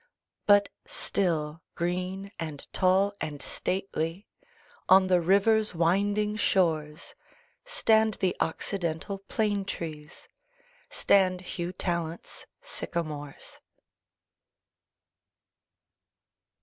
But, still green and tall and stately, On the river's winding shores, Stand the occidental plane trees, Stand Hugh Tallant's sycamores.